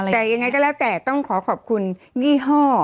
แต่ยังไงก็แล้วแต่ต้องขอขอบคุณยี่ห้อ